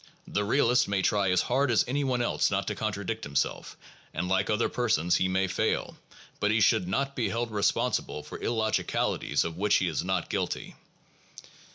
The realist may try as hard as any one else not to contradict himself and like other persons he may fail, but he should not be held responsible for illogicalities of which he is not guilty.